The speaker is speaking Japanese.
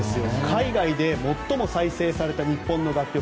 海外で最も再生された日本の楽曲